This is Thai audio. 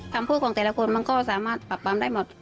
คำพูดของแต่ละคนก็จะสามารถปรับบำได้หมด